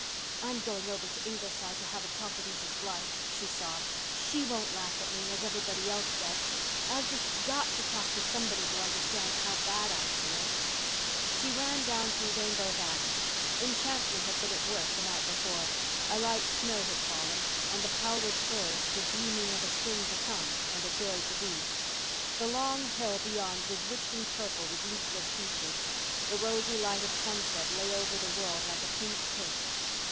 "I'm going over to Ingleside to have a talk with Mrs. Blythe," she sobbed. "She won't laugh at me, as everybody else does. I've just got to talk to somebody who understands how bad I feel." She ran down through Rainbow Valley. Enchantment had been at work the night before. A light snow had fallen and the powdered firs were dreaming of a spring to come and a joy to be. The long hill beyond was richly purple with leafless beeches. The rosy light of sunset lay over the world like a pink kiss.